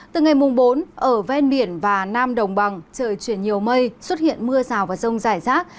từ ngày mùng bốn ở ven biển và nam đồng bằng trời chuyển nhiều mây xuất hiện mưa rào và rông rải rác